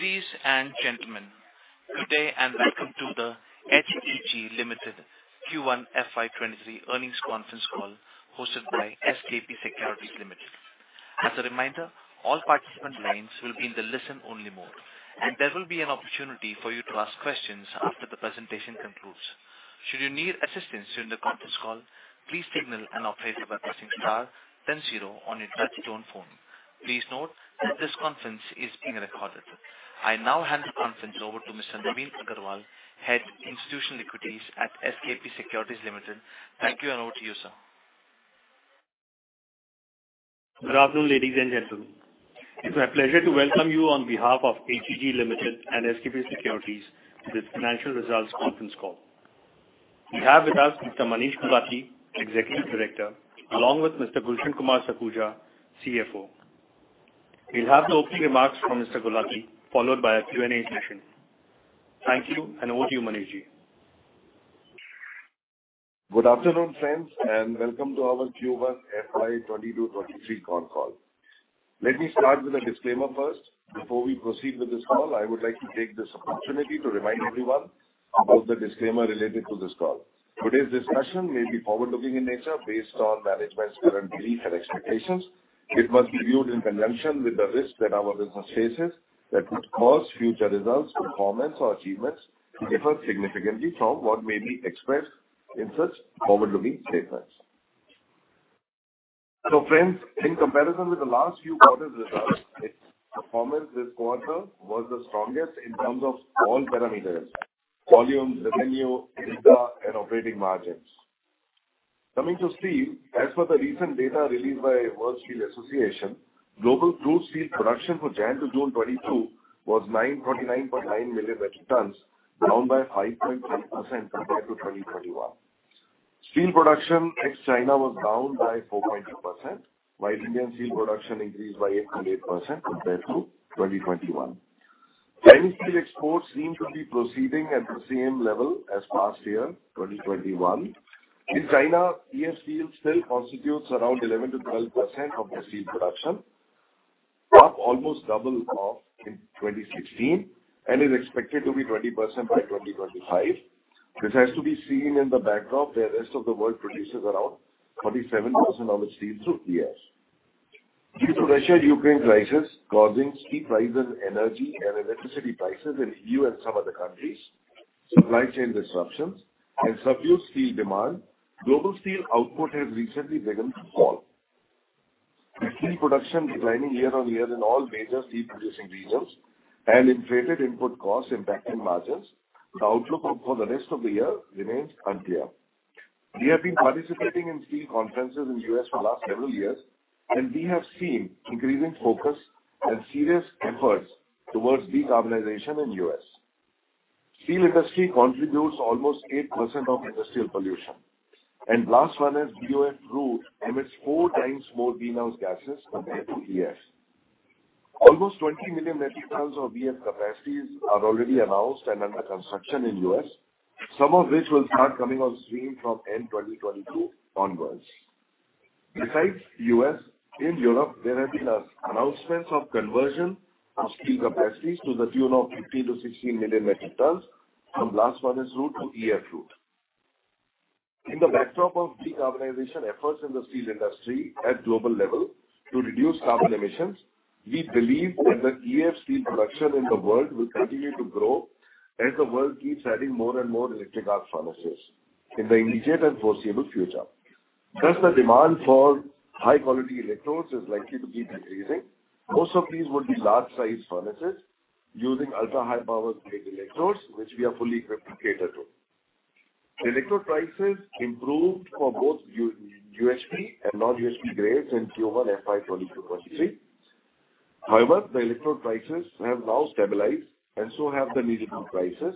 Ladies and gentlemen, good day and welcome to the HEG Limited Q1 FY23 earnings conference call hosted by SKP Securities Limited. As a reminder, all participant lines will be in the listen only mode, and there will be an opportunity for you to ask questions after the presentation concludes. Should you need assistance during the conference call, please signal an operator by pressing star then zero on your touchtone phone. Please note that this conference is being recorded. I now hand the conference over to Mr. Navin Agrawal, Head Institutional Equities at SKP Securities Limited. Thank you, and over to you, sir. Good afternoon, ladies and gentlemen. It's my pleasure to welcome you on behalf of HEG Limited and SKP Securities to this financial results conference call. We have with us Mr. Manish Gulati, Executive Director, along with Mr. Gulshan Kumar Sakhuja, CFO. We'll have the opening remarks from Mr. Gulati, followed by a Q&A session. Thank you, and over to you, Manish. Good afternoon, friends, and welcome to our Q1 FY 2022-23 con call. Let me start with a disclaimer first. Before we proceed with this call, I would like to take this opportunity to remind everyone about the disclaimer related to this call. Today's discussion may be forward-looking in nature based on management's current belief and expectations. It must be viewed in conjunction with the risks that our business faces that could cause future results, performance or achievements to differ significantly from what may be expressed in such forward-looking statements. Friends, in comparison with the last few quarters results, its performance this quarter was the strongest in terms of all parameters, volume, revenue, EBITDA and operating margins. Coming to steel, as per the recent data released by World Steel Association, global crude steel production for January to June 2022 was 949.9 million metric tons, down by 5.3% compared to 2021. Steel production ex-China was down by 4.2%, while Indian steel production increased by 8.8% compared to 2021. Chinese steel exports seem to be proceeding at the same level as last year, 2021. In China, EAF steel still constitutes around 11%-12% of their steel production, up almost double of in 2016 and is expected to be 20% by 2025, which has to be seen in the backdrop the rest of the world produces around 47% of its steel through EAF. Due to Russia-Ukraine crisis causing steep rise in energy and electricity prices in EU and some other countries, supply chain disruptions and subdued steel demand, global steel output has recently begun to fall. With steel production declining year-on-year in all major steel producing regions and inflated input costs impacting margins, the outlook for the rest of the year remains unclear. We have been participating in steel conferences in U.S. for last several years, and we have seen increasing focus and serious efforts towards decarbonization in U.S. Steel industry contributes almost 8% of industrial pollution, and blast furnace, BF route emits four times more greenhouse gases compared to EAF. Almost 20 million metric tons of EAF capacities are already announced and under construction in U.S., some of which will start coming on stream from end 2022 onwards. Besides US, in Europe there have been announcements of conversion of steel capacities to the tune of 15-16 million metric tons from blast furnace route to EAF route. In the backdrop of decarbonization efforts in the steel industry at global level to reduce carbon emissions, we believe that the EAF steel production in the world will continue to grow as the world keeps adding more and more electric arc furnaces in the immediate and foreseeable future. Thus the demand for high quality electrodes is likely to keep increasing. Most of these would be large sized furnaces using ultra-high power grade electrodes, which we are fully equipped to cater to. The electrode prices improved for both U, UHP and non-UHP grades in Q1 FY 2022-23. However, the electrode prices have now stabilized and so have the needle prices.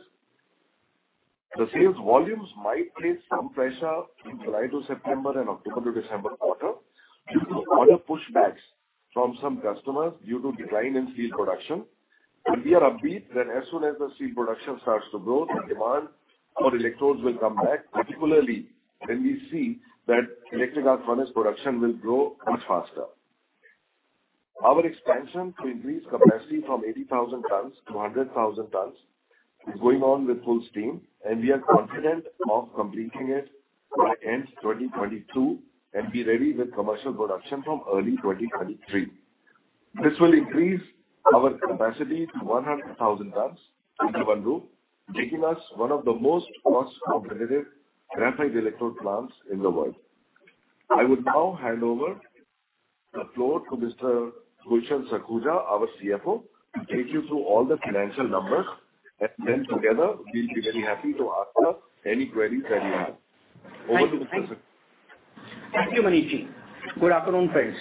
The sales volumes might face some pressure in July to September and October to December quarter due to order pushbacks from some customers due to decline in steel production. We are upbeat that as soon as the steel production starts to grow, the demand for electrodes will come back, particularly when we see that electric arc furnace production will grow much faster. Our expansion to increase capacity from 80,000 tons to 100,000 tons is going on with full steam, and we are confident of completing it by end 2022 and be ready with commercial production from early 2023. This will increase our capacity to 100,000 tons in Mandideep, making us one of the most cost competitive graphite electrode plants in the world. I would now hand over the floor to Mr. Gulshan Sakhuja, our CFO, to take you through all the financial numbers. Together we'll be very happy to answer any queries that you have. Over to you, sir. Thank you, Manishji. Good afternoon, friends.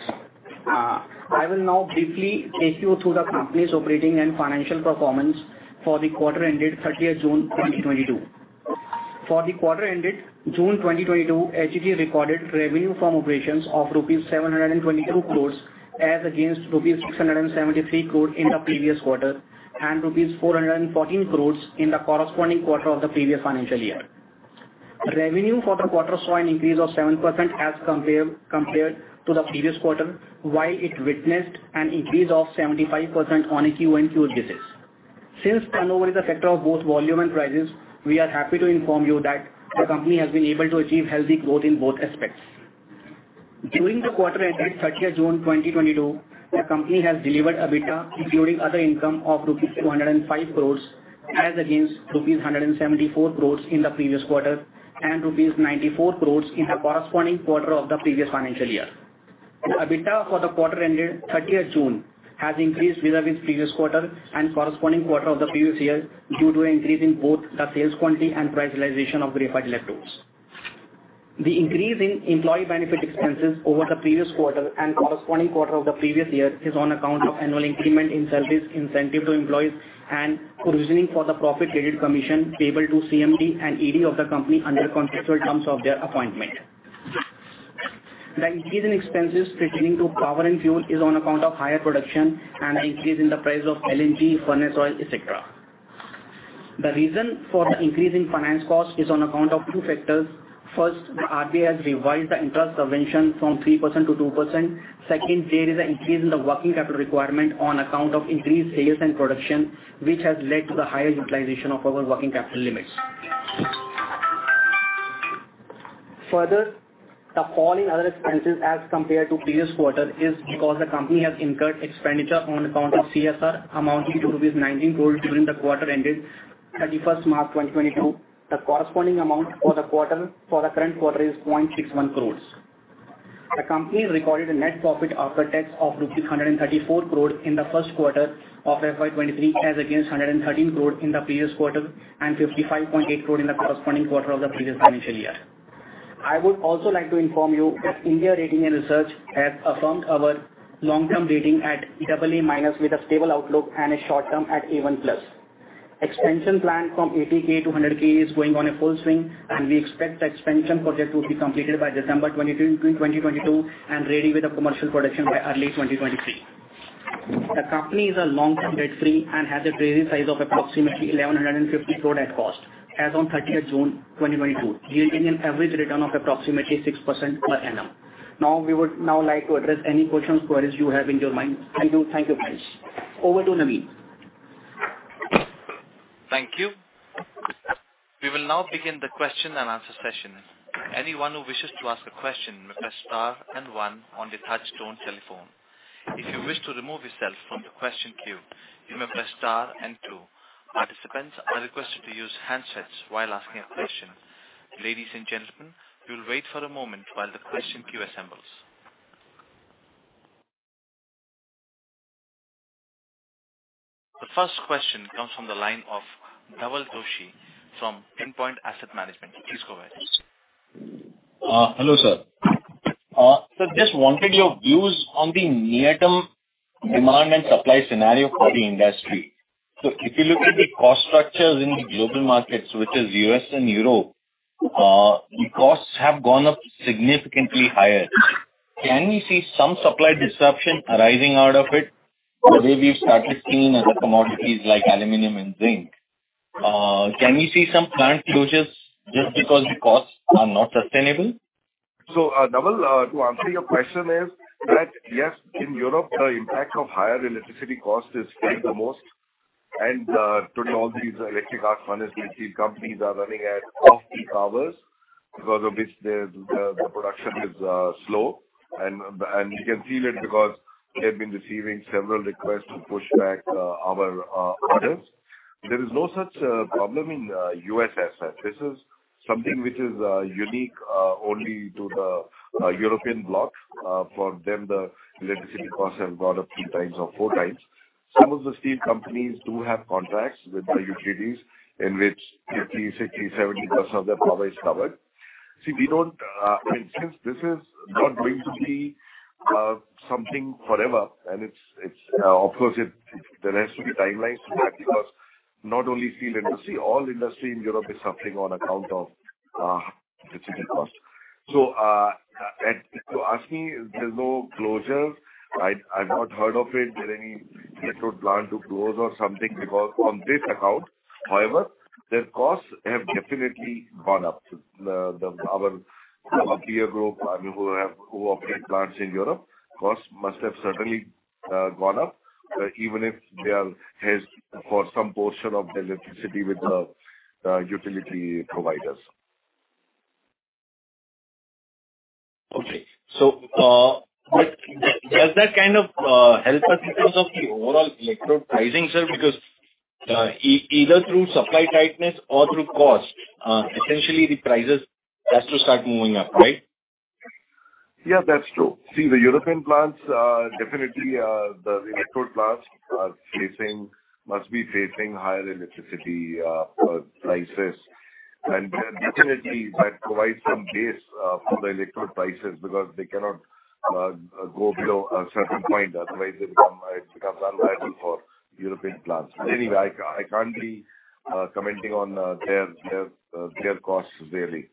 I will now briefly take you through the company's operating and financial performance for the quarter ended 30 June 2022. For the quarter ended June 2022, HEG recorded revenue from operations of rupees 722 crores as against rupees 673 crore in the previous quarter and rupees 414 crores in the corresponding quarter of the previous financial year. Revenue for the quarter saw an increase of 7% compared to the previous quarter, while it witnessed an increase of 75% on a QoQ basis. Since turnover is a factor of both volume and prices, we are happy to inform you that the company has been able to achieve healthy growth in both aspects. During the quarter ended June 30, 2022, the company has delivered an EBITDA, including other income, of INR 105 crores as against INR 174 crores in the previous quarter, and INR 94 crores in the corresponding quarter of the previous financial year. The EBITDA for the quarter ended June 30 has increased vis-à-vis previous quarter and corresponding quarter of the previous year due to an increase in both the sales quantity and price realization of graphite electrodes. The increase in employee benefit expenses over the previous quarter and corresponding quarter of the previous year is on account of annual increment in salaries, incentive to employees, and provisioning for the profit-related commission payable to CMD and ED of the company under contractual terms of their appointment. The increase in expenses pertaining to power and fuel is on account of higher production and an increase in the price of LNG, furnace oil, et cetera. The reason for the increase in finance cost is on account of two factors. First, the RBI has revised the interest intervention from 3% to 2%. Second, there is an increase in the working capital requirement on account of increased sales and production, which has led to the higher utilization of our working capital limits. Further, the fall in other expenses as compared to previous quarter is because the company has incurred expenditure on account of CSR amounting to 19 crore during the quarter ended thirty-first March 2022. The corresponding amount for the current quarter is 0.61 crores. The company recorded a net profit after tax of INR 134 crore in the first quarter of FY 2023, as against 113 crore in the previous quarter and 55.8 crore in the corresponding quarter of the previous financial year. I would also like to inform you that India Ratings and Research has affirmed our long-term rating at IND AA- with a stable outlook and a short-term at A1+. Expansion plan from 80K to 100K is going on in full swing, and we expect the expansion project will be completed by December 2022 and ready with a commercial production by early 2023. The company is a long-term debt free and has a treasury size of approximately 1,150 crore at cost as on 30th June 2022, yielding an average return of approximately 6% per annum. Now, we would now like to address any questions, queries you have in your mind. Thank you. Thank you very much. Over to Navin. Thank you. We will now begin the question and answer session. Anyone who wishes to ask a question may press star and one on their touchtone telephone. If you wish to remove yourself from the question queue, you may press star and two. Participants are requested to use handsets while asking a question. Ladies and gentlemen, we will wait for a moment while the question queue assembles. The first question comes from the line of Dhaval Toshi from Endpoint Asset Management. Please go ahead. Hello, sir. Just wanted your views on the near-term demand and supply scenario for the industry. If you look at the cost structures in the global markets, which is US and Europe, the costs have gone up significantly higher. Can we see some supply disruption arising out of it? The way we've started seeing other commodities like aluminum and zinc. Can we see some plant closures just because the costs are not sustainable? Dhaval, to answer your question is that, yes, in Europe, the impact of higher electricity cost is felt the most. To tell these electric arc furnace steel companies are running at off-peak hours because of which the production is slow and you can feel it because they've been receiving several requests to push back our orders. There is no such problem in U.S. as such. This is something which is unique only to the European bloc. For them, the electricity costs have gone up three times or four times. Some of the steel companies do have contracts with the utilities in which 50, 60, 70% of their power is covered. See, we don't. Since this is not going to be something forever and it's of course there has to be timelines to that because not only steel industry, all industry in Europe is suffering on account of electricity costs. To ask me if there's any closure, I've not heard of it, that any electrode plant to close or something because on this account, however, their costs have definitely gone up. Our peer group, I mean, who operate plants in Europe, costs must have certainly gone up even if they are hedged for some portion of their electricity with the utility providers. Okay. Does that kind of help us in terms of the overall electrode pricing, sir? Because either through supply tightness or through cost, essentially the prices has to start moving up, right? Yeah, that's true. See, the European plants, definitely, the electrode plants must be facing higher electricity prices. Definitely that provides some base for the electrode prices because they cannot go below a certain point. Otherwise it becomes unviable for European plants. Anyway, I can't be commenting on their costs really.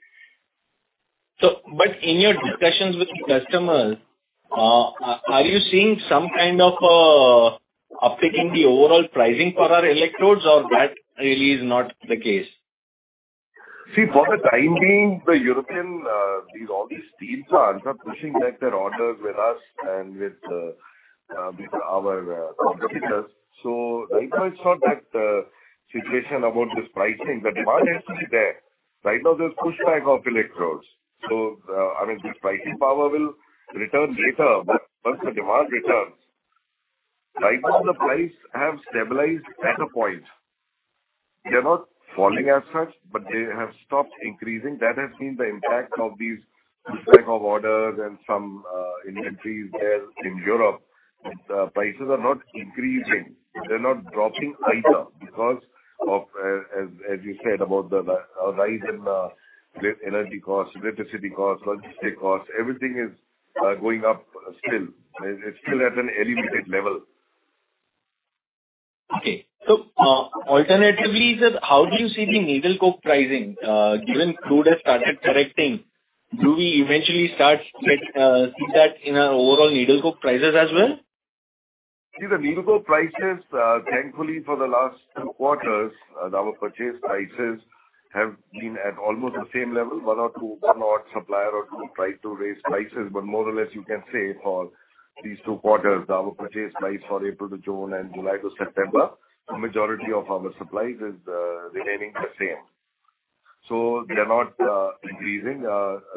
In your discussions with the customers, are you seeing some kind of uptick in the overall pricing for our electrodes or that really is not the case? See, for the time being, the European, these, all these steels are pushing back their orders with us and with our competitors. Right now it's not that situation about this pricing. The demand has to be there. Right now there's pushback of electrodes. I mean, this pricing power will return later but once the demand returns. Right now the prices have stabilized at a point. They're not falling as such but they have stopped increasing. That has been the impact of these pushback of orders and some inventories there in Europe. Prices are not increasing. They're not dropping either because of, as you said about the rise in energy costs, electricity costs, logistic costs. Everything is going up still. It's still at an elevated level. Okay. Alternatively, sir, how do you see the needle coke pricing? Given crude has started correcting, do we eventually see that in our overall needle coke prices as well? See, the needle coke prices, thankfully for the last two quarters, our purchase prices have been at almost the same level. One or two suppliers tried to raise prices, but more or less you can say for these two quarters, our purchase price for April to June and July to September, a majority of our supplies is remaining the same. So they're not increasing.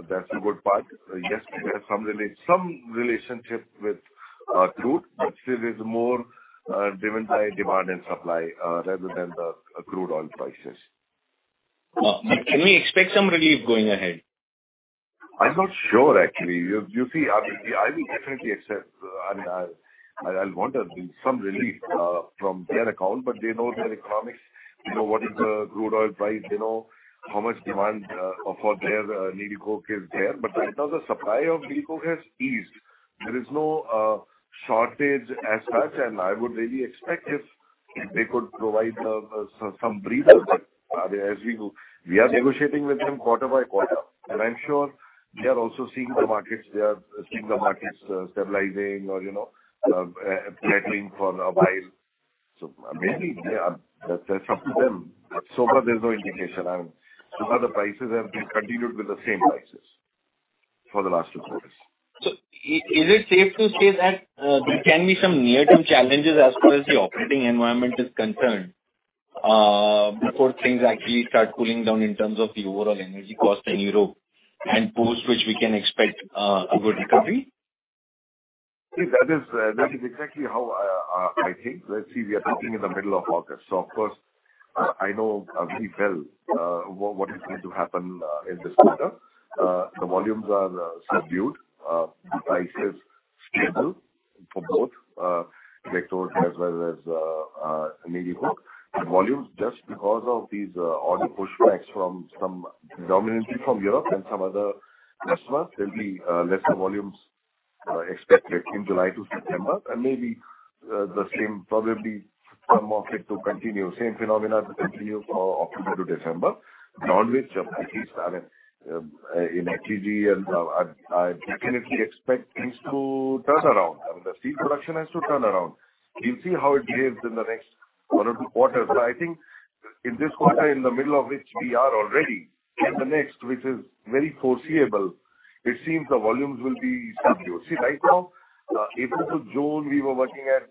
That's a good part. Yes, we have some relationship with crude but still is more driven by demand and supply rather than the crude oil prices. Can we expect some relief going ahead? I'm not sure actually. You see, I will definitely accept, I mean, I'll want some relief from their account but they know their economics. They know what is the crude oil price, they know how much demand for their needle coke is there. But right now the supply of needle coke has eased. There is no shortage as such, and I would really expect if they could provide some breather as we do. We are negotiating with them quarter by quarter. I'm sure they are also seeing the markets, they are seeing the markets stabilizing or, you know, settling for a while. Maybe, yeah, that's up to them. So far there's no indication. I mean, so far the prices have been continued with the same prices for the last two quarters. Is it safe to say that there can be some near-term challenges as far as the operating environment is concerned before things actually start cooling down in terms of the overall energy cost in Europe and post which we can expect a good recovery? That is exactly how I think. Let's see, we are talking in the middle of August. Of course, I know very well what is going to happen in this quarter. The volumes are subdued. The price is stable for both electrodes as well as needle coke. The volumes just because of these order pushbacks from some predominantly from Europe and some other customers, there'll be lesser volumes expected in July to September. Maybe the same probably some market to continue. Same phenomena to continue for October to December. Barring which at least, I mean, in CY23, I definitely expect things to turn around. I mean, the steel production has to turn around. We'll see how it behaves in the next one or two quarters. I think in this quarter in the middle of which we are already and the next which is very foreseeable, it seems the volumes will be subdued. See right now, April to June we were working at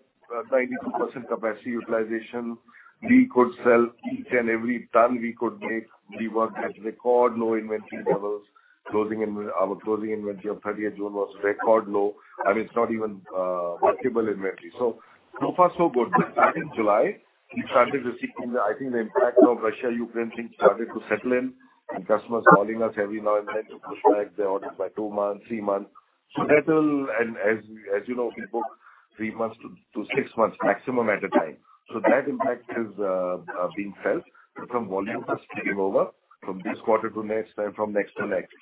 92% capacity utilization. We could sell each and every ton we could make. We worked at record low inventory levels. Our closing inventory of thirtieth June was record low. I mean, it's not even workable inventory. So far so good. Starting July we started receiving the. I think the impact of Russia-Ukraine thing started to settle in and customers calling us every now and then to push back their orders by two months, three months to settle. As you know, we book three months to six months maximum at a time. That impact is being felt from volume just carrying over from this quarter to next and from next to next.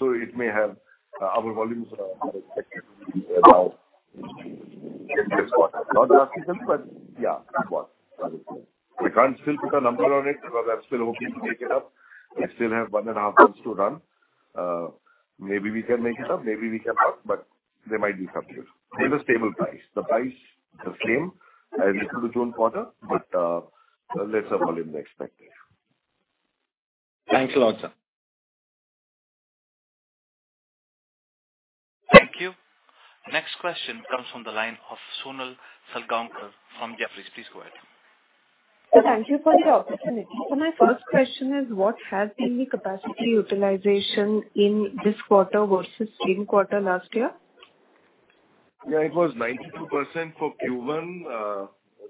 It may have our volumes are expected to be low in this quarter. Not drastic but yeah, low. We can't still put a number on it because I'm still hoping to make it up. We still have one and a half months to run. Maybe we can make it up, maybe we cannot but there might be some risk. In a stable price. The price is the same as the June quarter but lesser volumes expected. Thanks a lot, sir. Thank you. Next question comes from the line of Sonali Salgaonkar from Jefferies. Please go ahead. Thank you for the opportunity. My first question is what has been the capacity utilization in this quarter versus same quarter last year? It was 92% for Q1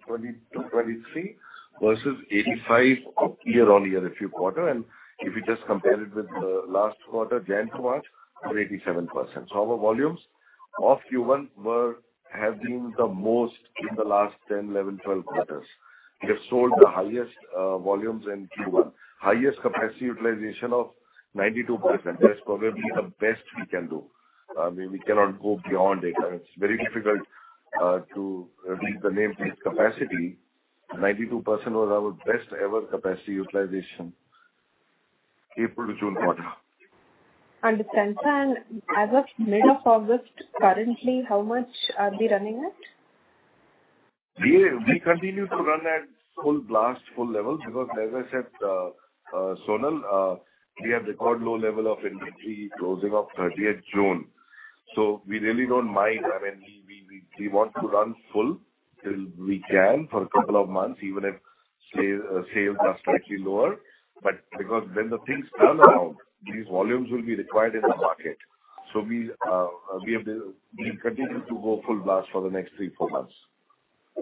2022-2023 versus 85% year-on-year if you quarter. If you just compare it with the last quarter, January to March, 87%. Our volumes of Q1 have been the most in the last 10, 11, 12 quarters. We have sold the highest volumes in Q1. Highest capacity utilization of 92%. That's probably the best we can do. We cannot go beyond it. It's very difficult to exceed the nameplate capacity. 92% was our best ever capacity utilization April to June quarter. Understand. As of mid of August, currently, how much are they running at? We continue to run at full blast, full level because as I said, Sonal, we have record low level of inventory closing of 30 at June. We really don't mind. I mean, we want to run full till we can for a couple of months, even if sales are slightly lower. Because when the things turn around, these volumes will be required in the market. We continue to go full blast for the next 3-4 months.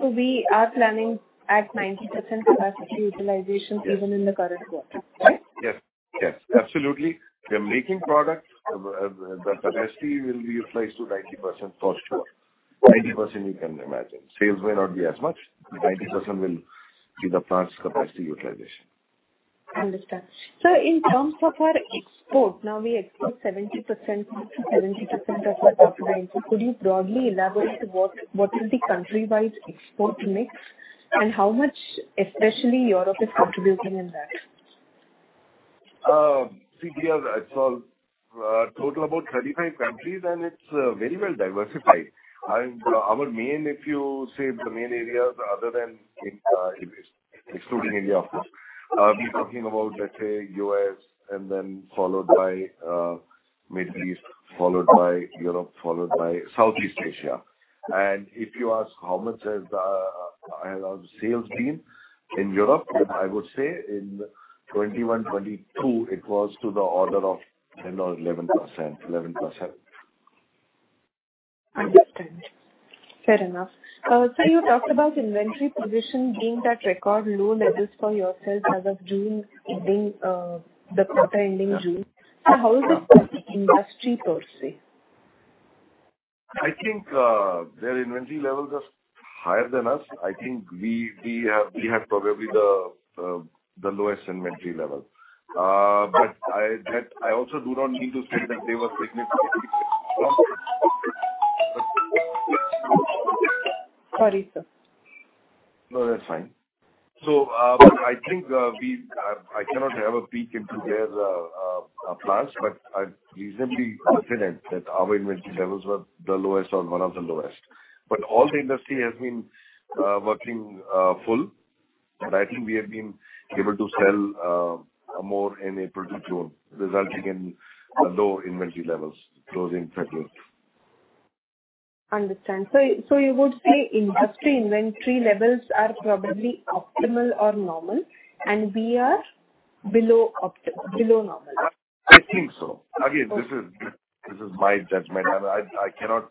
We are planning at 90% capacity utilization. Yes. Even in the current quarter, right? Yes. Absolutely. We are making product. The capacity will be utilized to 90% for sure. 90% you can imagine. Sales may not be as much. 90% will be the plant's capacity utilization. Understand. In terms of our export, now we export 70% of our top line. Could you broadly elaborate what is the country-wise export mix and how much especially Europe is contributing in that? We have total about 35 countries and it's very well diversified. Our main, if you say the main areas other than in, excluding India, of course, we're talking about, let's say U.S. and then followed by, Middle East, followed by Europe, followed by Southeast Asia. If you ask how much has our sales been in Europe, then I would say in 2021, 2022 it was to the order of 10 or 11%. 11%. Understand. Fair enough. Sir, you talked about inventory position being at record low, at least for yourself as of June ending, the quarter ending June. How is it for the industry per se? I think their inventory levels are higher than us. I think we have probably the lowest inventory level. But I also do not mean to say that they were significantly Sorry, sir. No, that's fine. I cannot have a peek into their plans, but I'm reasonably confident that our inventory levels were the lowest or one of the lowest. All the industry has been working full. I think we have been able to sell more in April to June, resulting in low inventory levels closing third quarter. Understand. You would say industry inventory levels are probably optimal or normal and we are below normal? I think so. Again, this is my judgment. I cannot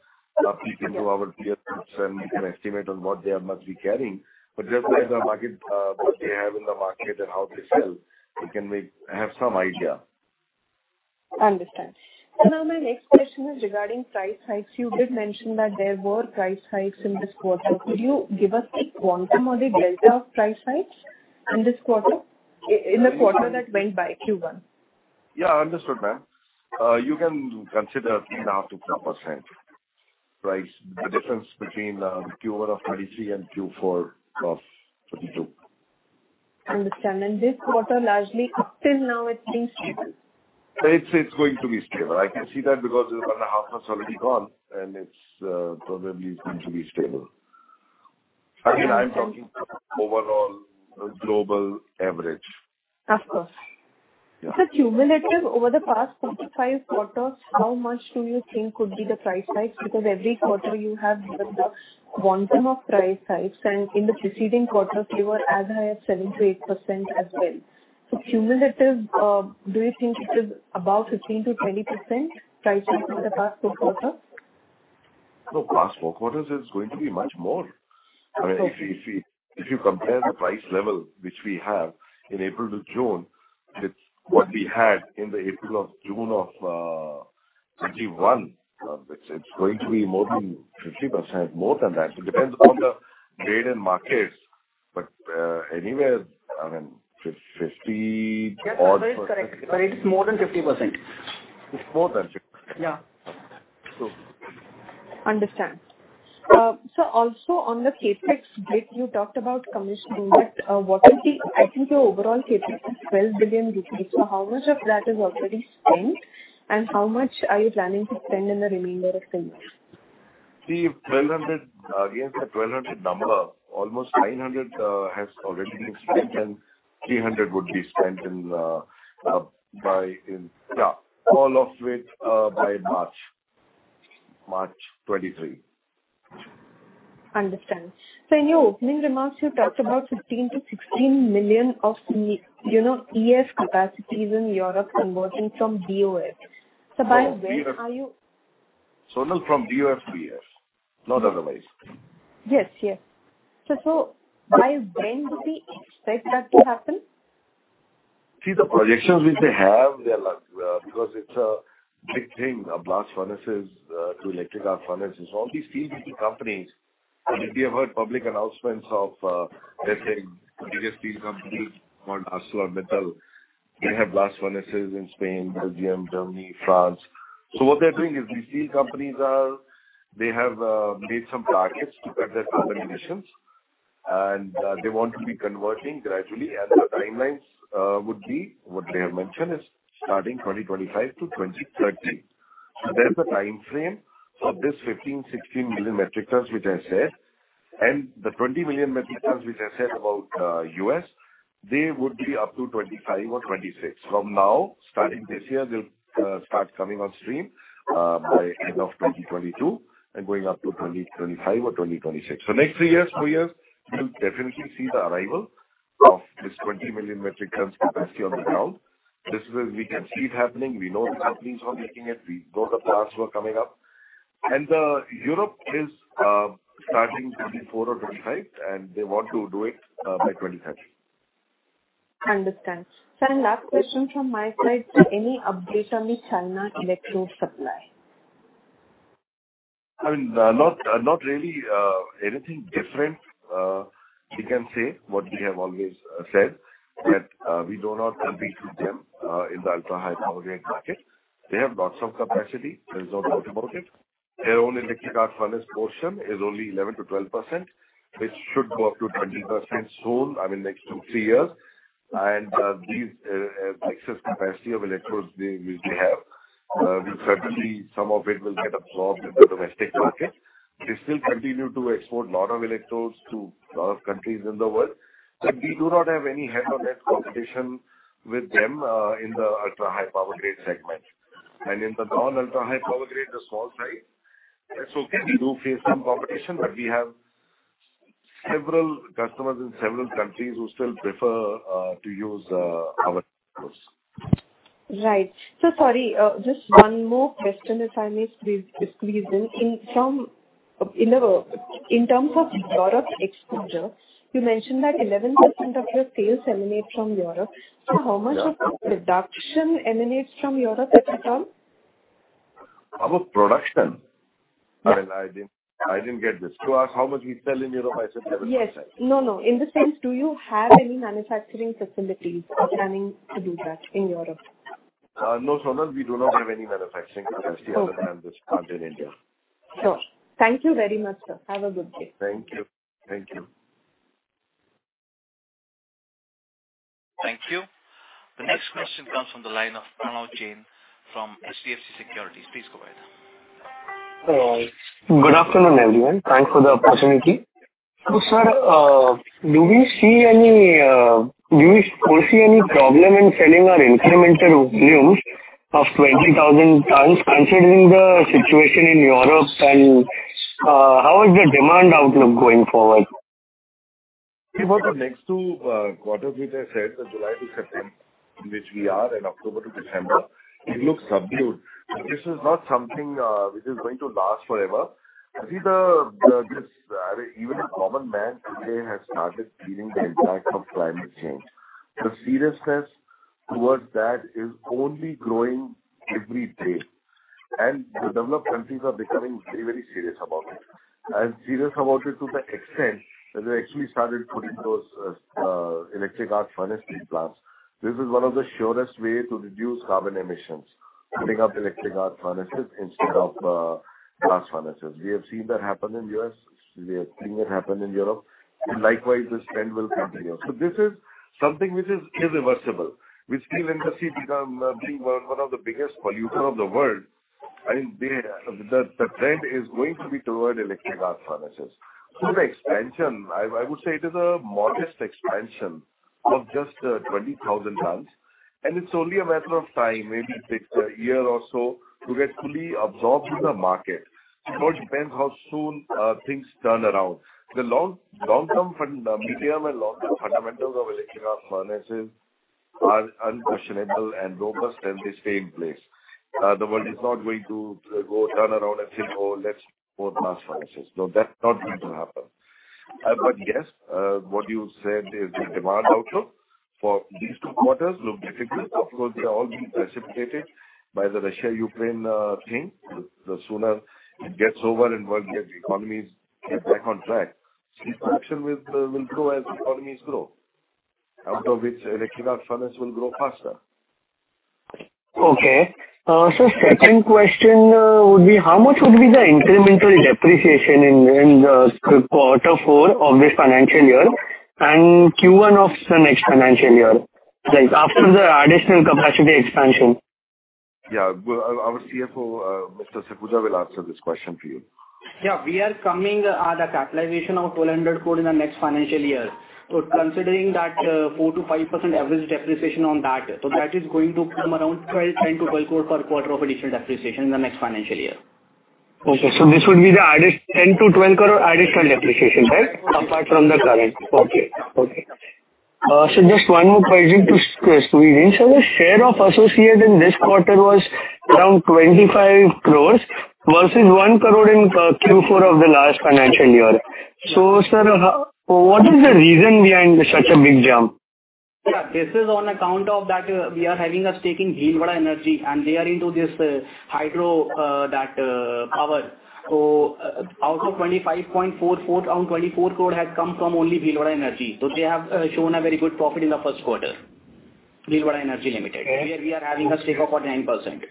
peek into our peer groups and make an estimate on what they must be carrying. Just by the market, what they have in the market and how they sell, we can have some idea. Understood. Now my next question is regarding price hikes. You did mention that there were price hikes in this quarter. Could you give us a quantum or the delta of price hikes in this quarter, in the quarter that went by, Q1? Yeah, understood, ma'am. You can consider 0.5%-2% price. The difference between Q1 of 2023 and Q4 of 2022. Understand. This quarter largely up till now it's been stable. It's going to be stable. I can see that because 1.5 has already gone and it's probably is going to be stable. Again, I'm talking overall global average. Of course. Yeah. Sir, cumulative over the past 4-5 quarters, how much do you think could be the price hikes? Because every quarter you have the quantum of price hikes and in the preceding quarters you were as high as 7%-8% as well. Cumulative, do you think it is about 15%-20% price hikes in the past 4 quarters? No, past four quarters it's going to be much more. Okay. If you compare the price level which we have in April to June with what we had in April to June of 2021, it's going to be more than 50%, more than that. It depends on the trade and markets, but anywhere, I mean, 50-odd%. Yes, that is correct. It is more than 50%. It's more than 50. Yeah. True. Understand. Sir, also on the CapEx bit, you talked about commissioning that. I think your overall CapEx is 12 billion rupees. How much of that is already spent, and how much are you planning to spend in the remainder of the year? See, 1,200, against the 1,200 number, almost 900 has already been spent, and 300 would be spent by March, all of it by March 2023. Understood. Sir, in your opening remarks you talked about 15-16 million of, you know, EAF capacities in Europe converting from BOF. By when are you- Sonal, from BOF to EAF, not otherwise. Yes. By when do we expect that to happen? See the projections which they have. They are like, because it's a big thing, blast furnaces to electric arc furnaces. All these steel companies, you might have heard public announcements of, let's say the biggest steel companies called ArcelorMittal. They have blast furnaces in Spain, Belgium, Germany, France. What they're doing is these steel companies are. They have made some targets to cut their carbon emissions, and they want to be converting gradually. The timelines would be what they have mentioned is starting 2025 to 2030. There's a time frame of this 15-16 million metric tons which I said, and the 20 million metric tons which I said about US, they would be up to 2025 or 2026. From now, starting this year, they'll start coming on stream by end of 2022 and going up to 2025 or 2026. Next three years, four years, we'll definitely see the arrival of this 20 million metric tons capacity on the ground. We can see it happening. We know the companies who are making it. We know the plants who are coming up. Europe is starting 2024 or 2025, and they want to do it by 2030. Understood. Sir, last question from my side. Sir, any update on the China electrode supply? I mean, not really anything different, we can say what we have always said, that we do not compete with them in the ultra high power grade market. They have lots of capacity. There's no doubt about it. Their own electric arc furnace portion is only 11%-12%, which should go up to 20% soon, I mean, next two, three years. These excess capacity of electrodes they have, we're certain some of it will get absorbed in the domestic market. They still continue to export lot of electrodes to lot of countries in the world. But we do not have any head-on competition with them in the ultra high power grade segment. In the non-ultra high power grade, the small side, that's okay. We do face some competition, but we have several customers in several countries who still prefer to use our electrodes. Right. Sorry, just one more question, if I may squeeze in. In terms of Europe exposure, you mentioned that 11% of your sales emanate from Europe. Yeah. How much of the production emanates from Europe as a term? Our production? I mean, I didn't get this. You asked how much we sell in Europe. I said 11%. Yes. No, no. In the sense, do you have any manufacturing facilities or planning to do that in Europe? No, Sonal. We do not have any manufacturing capacity other than what's current in India. Sure. Thank you very much, sir. Have a good day. Thank you. Thank you. Thank you. The next question comes from the line of Pranav Jain from HDFC Securities. Please go ahead. Good afternoon, everyone. Thanks for the opportunity. Sir, do we foresee any problem in selling our incremental volumes of 20,000 tons considering the situation in Europe? How is the demand outlook going forward? For the next two quarters, which I said, the July to September in which we are, and October to December, it looks subdued. This is not something which is going to last forever. You see this even a common man today has started feeling the impact of climate change. The seriousness towards that is only growing every day. The developed countries are becoming very, very serious about it, and serious about it to the extent that they actually started putting those electric arc furnaces plants. This is one of the surest way to reduce carbon emissions, putting up electric arc furnaces instead of blast furnaces. We have seen that happen in U.S. We are seeing that happen in Europe. Likewise, this trend will continue. This is something which is irreversible. With steel industry being one of the biggest polluter of the world, I mean, the trend is going to be toward electric arc furnaces. The expansion, I would say it is a modest expansion of just 20,000 tons, and it's only a matter of time, maybe takes a year or so to get fully absorbed in the market. It all depends how soon things turn around. The medium and long-term fundamentals of electric arc furnaces are unquestionable and robust, and they stay in place. The world is not going to go turn around and say, "Oh, let's go blast furnaces." No, that's not going to happen. Yes, what you said is the demand outlook for these two quarters look difficult because they are all being precipitated by the Russia-Ukraine thing. The sooner it gets over and world economies get back on track, steel production will grow as economies grow, out of which electric arc furnace will grow faster. Okay, second question would be how much would be the incremental depreciation in the quarter four of this financial year and Q1 of the next financial year, like, after the additional capacity expansion? Well, our CFO, Mr. Sakhuja, will answer this question for you. We are coming to the capitalization of 1,200 crore in the next financial year. Considering that, 4%-5% average depreciation on that is going to come around 10-12 crore per quarter of additional depreciation in the next financial year. Okay. This would be the 10-12 crore additional depreciation, right? Apart from the current. Okay. Just one more question to squeeze in. Sir, the share of associate in this quarter was around 25 crores versus 1 crore in Q4 of the last financial year. Sir, what is the reason behind such a big jump? Yeah, this is on account of that we are having a stake in Bhilwara Energy, and they are into this hydro power. Out of 25.44, around 24 crore has come from only Bhilwara Energy. They have shown a very good profit in the first quarter. Bhilwara Energy Limited. Okay. Where we are having a stake of 9%.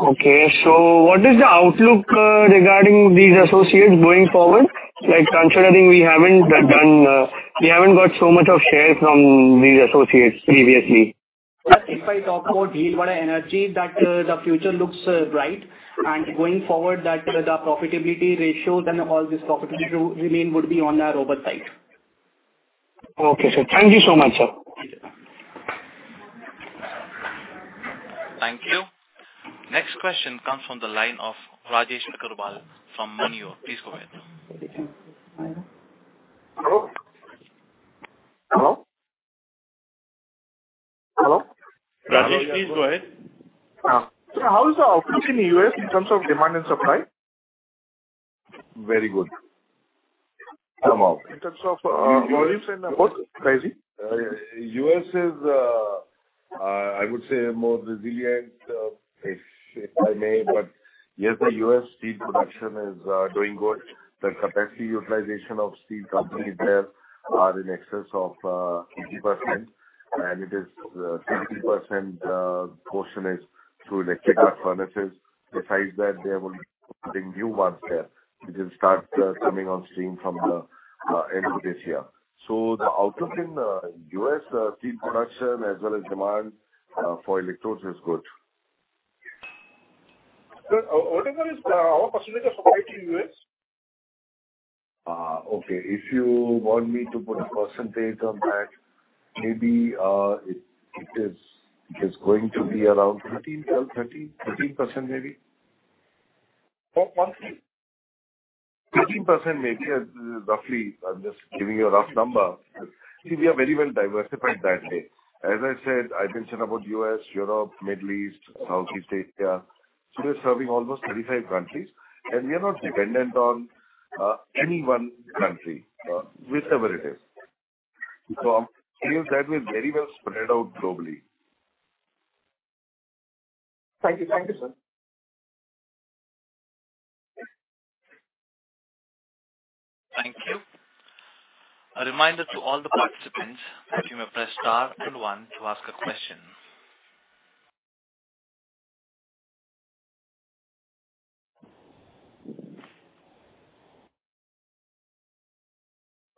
Okay. What is the outlook regarding these associates going forward? Like, considering we haven't got so much of shares from these associates previously. If I talk about Bhilwara Energy, that the future looks bright, and going forward that the profitability ratios and all this profitability remain would be on our upper side. Okay, sir. Thank you so much, sir. Thank you. Thank you. Next question comes from the line of Rajesh Agrawal from Moneyore. Please go ahead. Hello? Hello? Hello? Rajesh, please go ahead. Yeah. How is the outlook in U.S. in terms of demand and supply? Very good. In terms of, volumes and what? Sorry. U.S. is, I would say more resilient, if I may. Yes, the U.S. steel production is doing good. The capacity utilization of steel company there are in excess of 50%, and it is 60% portion is through electric arc furnaces. Besides that, they will be putting new ones there, which will start coming on stream from the end of this year. The outlook in U.S. steel production as well as demand for electrodes is good. Sir, what about our percentage of supply to U.S.? Okay. If you want me to put a percentage on that, maybe, it is going to be around 13, 12, 13% maybe. For monthly? 13% maybe. Roughly. I'm just giving you a rough number. We are very well diversified that way. As I said, I mentioned about U.S., Europe, Middle East, Southeast Asia. We're serving almost 35 countries, and we are not dependent on any one country, whichever it is. Any of that, we're very well spread out globally. Thank you. Thank you, sir. Thank you. A reminder to all the participants that you may press star then one to ask a question.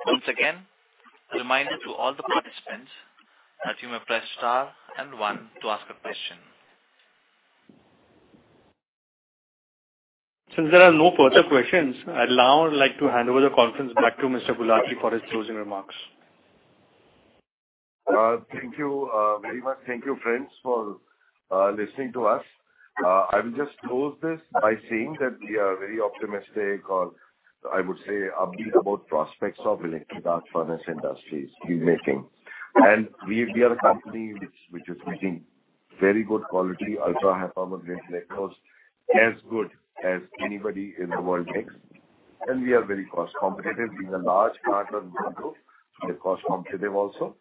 Once again, a reminder to all the participants that you may press star and one to ask a question. Since there are no further questions, I'd now like to hand over the conference back to Mr. Gulati for his closing remarks. Thank you, very much. Thank you, friends, for listening to us. I will just close this by saying that we are very optimistic or I would say upbeat about prospects of electric arc furnace industries, steelmaking. We are a company which is making very good quality, ultra-high power grade electrodes, as good as anybody in the world makes. We are very cost competitive. Being a large partner in the group, we are cost competitive also.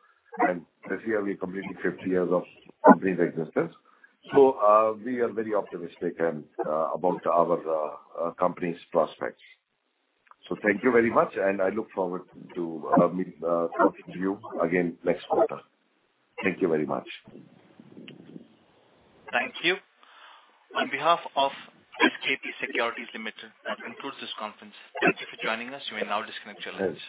This year we're completing 50 years of company's existence. We are very optimistic and about our company's prospects. Thank you very much, and I look forward to meeting, talking to you again next quarter. Thank you very much. Thank you. On behalf of SKP Securities Limited, that concludes this conference. Thank you for joining us. You may now disconnect your lines.